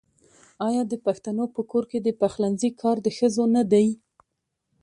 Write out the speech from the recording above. آیا د پښتنو په کور کې د پخلنځي کار د ښځو نه دی؟